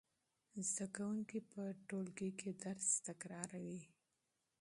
زده کوونکي په ټولګي کې درس تکراروي.